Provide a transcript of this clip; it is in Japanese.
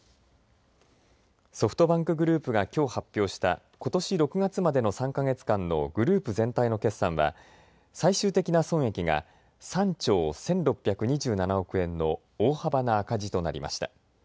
ソフトバンクグループがきょう発表した、ことし６月までの３か月間のグループ全体の決算は最終的な損益が３兆１６２７億円の大幅な赤字となりました。